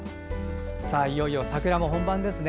いよいよ桜も本番ですね。